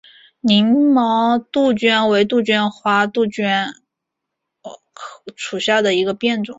凝毛杜鹃为杜鹃花科杜鹃属下的一个变种。